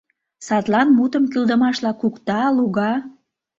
Садлан мутым кӱлдымашла кукта, луга.